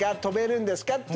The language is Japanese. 飛べるんですか？